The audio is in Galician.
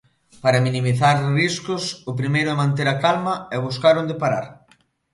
Para minimizar riscos o primeiro é manter a calma e buscar onde parar.